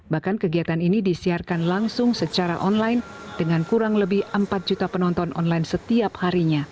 bahkan kegiatan ini disiarkan langsung secara online dengan kurang lebih empat juta penonton online setiap harinya